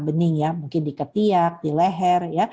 bening ya mungkin di ketiak di leher